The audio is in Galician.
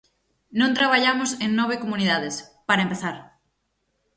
Non traballamos en nove comunidades, para empezar.